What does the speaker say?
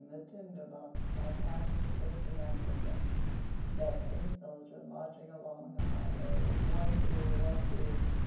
THE TINDER BOX By Hans Christian Andersen There came a soldier marching along the high road—one, two! one, two!